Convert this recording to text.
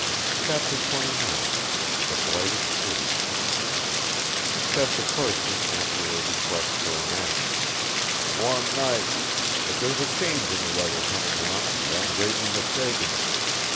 CHAPTER XXIX THE BLIGHTED CITY Said the person after a request for a match: "Warm night, but there's a change in the weather coming on, or I'm greatly mistaken.